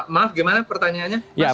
maaf bagaimana pertanyaannya